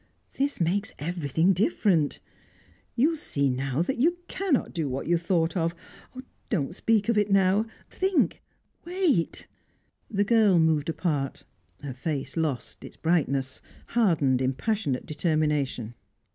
This makes everything different. You will see that you cannot do what you thought of! Don't speak of it now think wait " The girl moved apart. Her face lost its brightness; hardened in passionate determination.